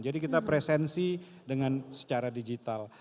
jadi kita presensi dengan secara digital